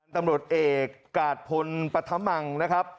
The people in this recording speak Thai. ตำรวจเอกกาดพลปธรรมังนะครับ